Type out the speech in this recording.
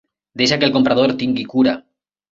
Deixa que el comprador tingui cura.